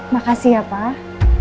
makasih ya pak